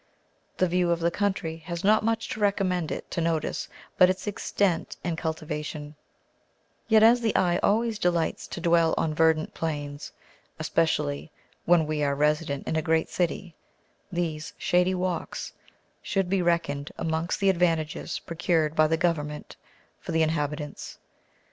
The view of the country has not much to recommend it to notice but its extent and cultivation: yet as the eye always delights to dwell on verdant plains, especially when we are resident in a great city, these shady walks should be reckoned amongst the advantages procured by the Government for the inhabitants.